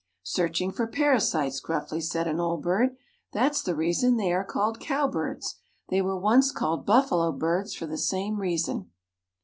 "Searching for parasites," gruffly said an old bird; "that's the reason they are called cowbirds. They were once called 'buffalo birds' for the same reason."